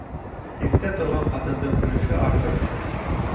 Иртә торған ҡатындың өлөшө артыҡ.